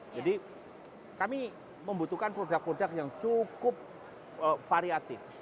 jadi kami membutuhkan produk produk yang cukup variatif